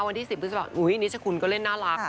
วันที่สิบคือจะบอกอุ้ยนิชคุณก็เล่นน่ารักเถอะ